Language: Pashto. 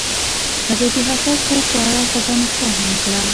هغې د حساس خوب په اړه خوږه موسکا هم وکړه.